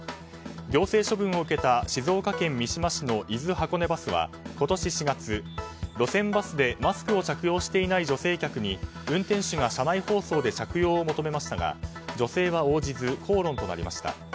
行政処分を受けた静岡県三島市の伊豆箱根バスは今年４月、路線バスでマスクを着用していない女性客に運転手が車内放送で着用を求めましたが女性は応じず口論となりました。